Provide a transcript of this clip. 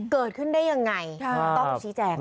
เกิดขึ้นได้ยังไงต้องชี้แจง